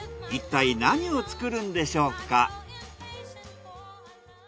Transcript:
いったい何を作るんでしょうか？